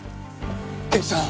刑事さん！